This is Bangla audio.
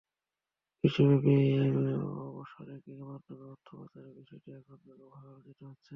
বিশ্বব্যাপী অফশোর ব্যাংকিংয়ের মাধ্যমে অর্থ পাচারের বিষয়টি এখন ব্যাপকভাবে আলোচিত হচ্ছে।